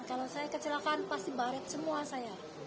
kalo saya kecelakaan pasti baret semua saya